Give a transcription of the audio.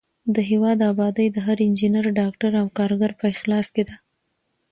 د هېواد ابادي د هر انجینر، ډاکټر او کارګر په اخلاص کې ده.